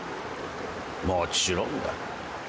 もちろんだ。